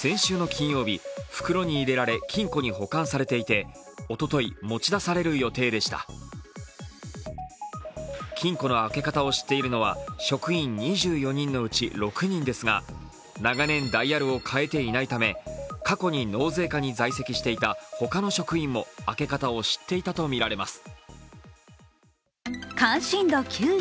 先週の金曜日、袋に入れられ金庫に保管されていておととい、持ち出される予定でした金庫の開け方を知っているのは職員２４人のうち６人ですが長年ダイヤルを変えていないため、過去に納税課に在籍していた他の職員も開け方を知っていたとみられます。